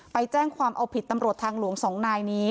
ไปแจ้งความเอาผิดตำรวจทางหลวง๒นายนี้